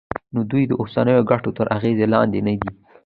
نو دوی د اوسنیو ګټو تر اغېز لاندې ندي.